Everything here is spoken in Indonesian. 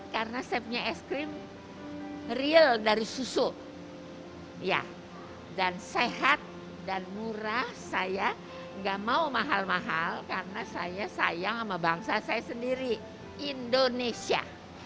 karena sepnya es krim real dari susu ya dan sehat dan murah saya nggak mau mahal mahal karena saya sayang sama bangsa saya sendiri indonesia